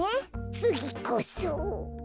つぎこそ。